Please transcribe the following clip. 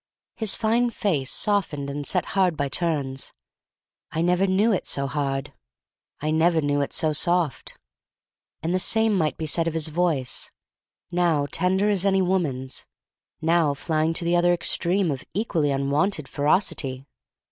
His fine face softened and set hard by turns. I never knew it so hard. I never knew it so soft. And the same might be said of his voice, now tender as any woman's, now flying to the other extreme of equally unwonted ferocity.